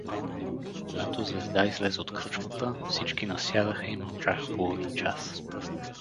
Когато Звезда излезе от кръчмата, всички насядаха и мълчаха половин час.